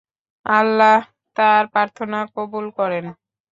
আল্লাহ্ তাঁর প্রার্থনা কবুল করেন।